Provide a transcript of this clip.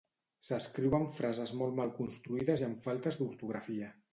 S'escriuen frases molt mal construïdes i amb faltes d'ortografia